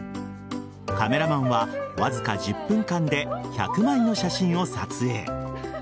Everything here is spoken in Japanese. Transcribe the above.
カメラマンはわずか１０分間で１００枚の写真を撮影。